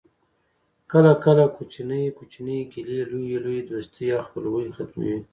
کله کله کوچنۍ کوچنۍ ګیلې لویي لویي دوستۍ او خپلوۍ ختموي